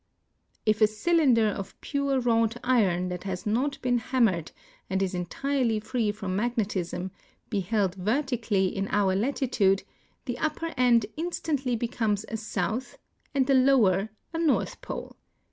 If a C3'linder of pure Avrought iron that has not been hannncrcd and is entlrel}^ free from magnetism be held vertically in our latitude the upper end instantly becomes a south an<i tlie lower a north pole.